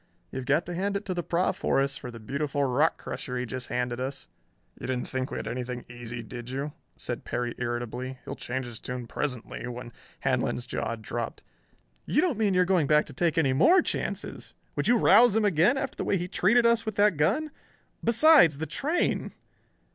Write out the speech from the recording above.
You've got to hand it to the Proff, Horace, for the beautiful rock crusher he just handed us." "You didn't think we had anything easy, did you?" said Perry irritably. "He'll change his tune presently, when "Handlon's jaw dropped. "You don't mean you're going to take any more chances! Would you rouse him again after the way he treated us with that gun? Besides, the train...."